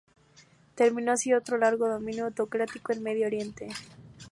Terminó así otro largo dominio autocrático en Medio Oriente.